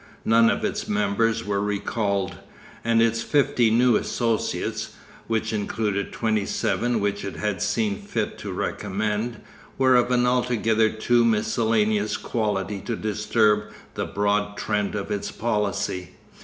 None of its members were recalled, and its fifty new associates, which included twenty seven which it had seen fit to recommend, were of an altogether too miscellaneous quality to disturb the broad trend of its policy.